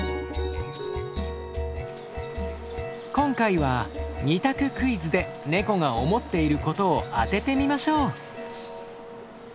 今回は２択クイズでネコが思っていることを当ててみましょう！